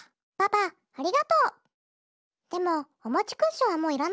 パパありがとう。